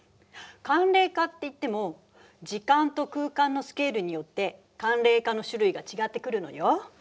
寒冷化っていっても時間と空間のスケールによって寒冷化の種類が違ってくるのよ。